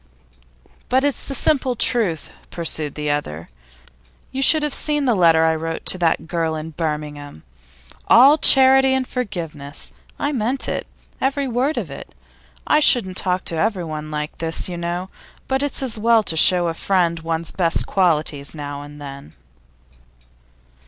'But it's the simple truth,' pursued the other. 'You should have seen the letter I wrote to that girl at Birmingham all charity and forgiveness. I meant it, every word of it. I shouldn't talk to everyone like this, you know; but it's as well to show a friend one's best qualities now and then.